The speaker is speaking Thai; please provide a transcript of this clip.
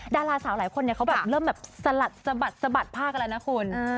ดาราสาวหลายคนเนี่ยเขาแบบเริ่มแบบสะบัดผ้ากันแล้วนะคุณ